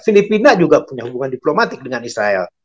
filipina juga punya hubungan diplomatik dengan israel